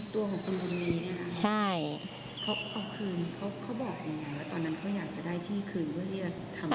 ตัวของคุณคุณเนี้ยใช่เขาเอาคืนเขาเขาบอกอย่างไรว่าตอนนั้นเขาอยากจะได้ที่คืนก็เรียก